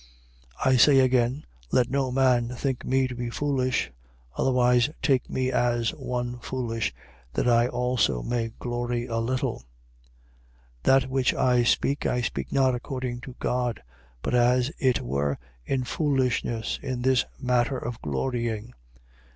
11:16. I say again (Let no man think me to be foolish: otherwise take me as one foolish, that I also may glory a little): 11:17. That which I speak, I speak not according to God: but as it were in foolishness, in this matter of glorying.